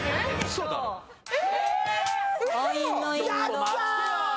嘘⁉やった！